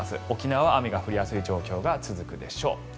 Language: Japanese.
沖縄は雨が降りやすい状況が続くでしょう。